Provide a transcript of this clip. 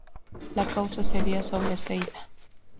La causa sería sobreseída.